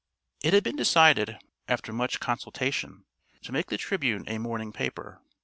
It had been decided, after much consultation, to make the Tribune a morning paper.